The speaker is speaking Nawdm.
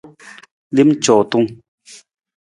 Lem cuutung.